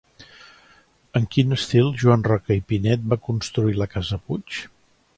En quin estil Joan Roca i Pinet va construir la casa Puig?